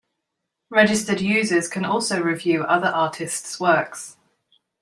Registered users can also review other artists' works.